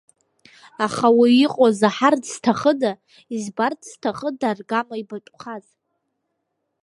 Аха уи, иҟоу, заҳарц зҭахыда, избарц зҭахыда аргама ибатәхаз?